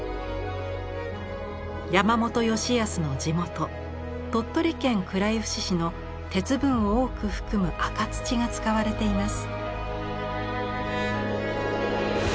山本佳靖の地元鳥取県倉吉市の鉄分を多く含む赤土が使われています。